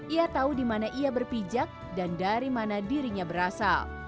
ia tahu di mana ia berpijak dan dari mana dirinya berasal